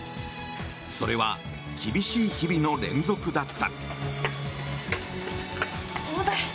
それは厳しい日々の連続だった。